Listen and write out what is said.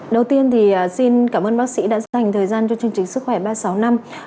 đầu tiên thì xin cảm ơn bác sĩ đã dành thời gian cho chương trình sức khỏe ba trăm sáu mươi năm